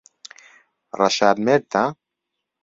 ڕەشاد مێردتە؟